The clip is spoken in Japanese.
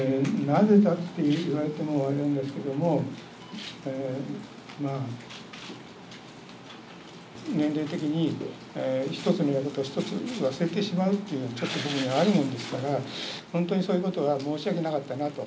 なぜかって言われても、あれなんですけれども、まあ、年齢的に一つやると、一つのことを忘れてしまうっていうのがあるものですから、本当にそういうことは申し訳なかったなと。